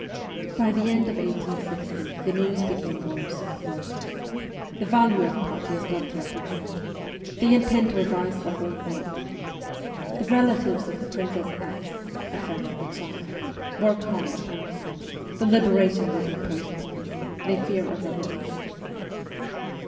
By the 164 MEMOIRS OF A REVOLUTIONIST end of 1860 the news became worse and worse. ' The Valueff party has got the upper hand.' ' They intend to revise the whole work.' ' The relatives of the Princess X. [a friend of the Tsar] work hard upon him.' ' The liberation will be postponed : they fear a revolution.'